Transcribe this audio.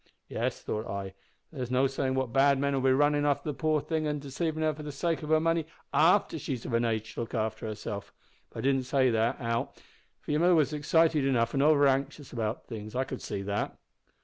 `Yes,' thought I, `an' there's no sayin' what bad men'll be runnin' after the poor thing an' deceivin' of her for the sake of her money after she's of an age to look after herself,' but I didn't say that out, for your mother was excited enough and over anxious about things, I could see that.